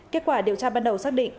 kết quả điều tra ban đầu xác định